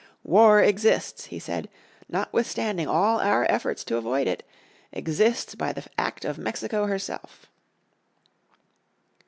"War exists," he said, "notwithstanding all our efforts to avoid it, exists by the act of Mexico herself."